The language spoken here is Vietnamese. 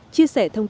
chia sẻ thông tin